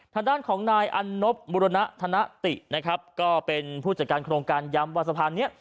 ทางด้านของนายอันนบบุรณธนตินะครับก็เป็นผู้จัดการโครงการย้ำว่าสะพานนี้